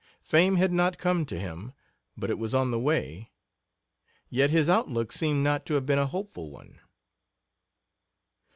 Fame had not come to him, but it was on the way. Yet his outlook seems not to have been a hopeful one.